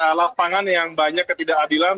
menghadapi lapangan yang banyak ketidakadilan